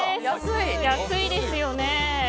安いですよね。